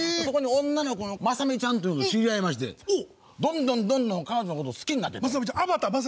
そこに女の子のまさみちゃんと知り合いましてどんどんどんどん彼女のこと好きになってった。